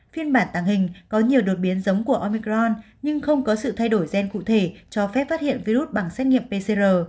phiên bản tàng hình có nhiều đột biến giống của omicron nhưng không có sự thay đổi gen cụ thể cho phép phát hiện virus bằng xét nghiệm pcr